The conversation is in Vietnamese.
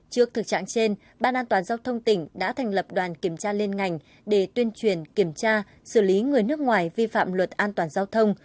trước thực trạng trên ban an toàn giao thông tỉnh đã thành lập đoàn kiểm tra liên ngành để tuyên truyền kiểm tra xử lý người nước ngoài vi phạm luật an toàn giao thông